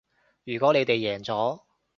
如果你哋贏咗